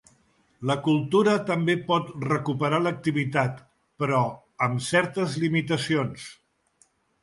La cultura també pot recuperar l’activitat, però amb certes limitacions.